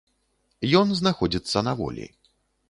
Ён знаходзіцца на волі.